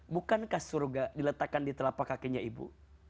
bukankah surga diletakkan di telapak kakinya ibu